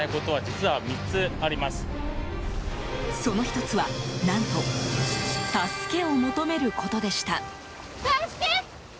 その１つは何と、助けを求めることでした。